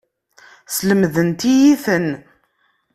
Slemdent-iyi-ten.